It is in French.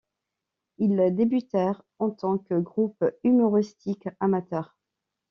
Ils débutèrent en tant que groupe humoristique amateur.